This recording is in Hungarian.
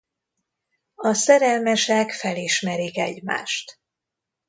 A szerelmesek felismerik egymást.